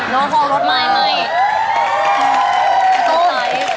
รอพอรถไม้ไม้